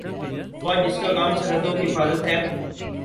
فوج جس کا کام سرحدوں کی حفاظت ہے